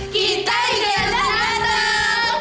kita di gelendak nantang